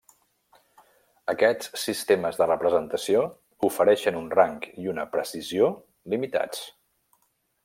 Aquests sistemes de representació ofereixen un rang i una precisió limitats.